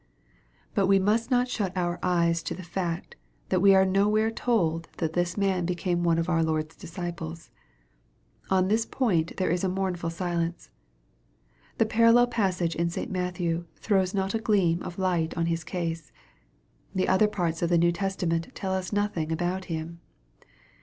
But we must not shut our eyes to the fact, that we are nowhere told that this man became one of our Lord's disciples. On this point there is a mournful silence. The parallel passage in St. Matthew throws not a gleam of light on his case. The other parts of the New Testa ment tell us nothing about him.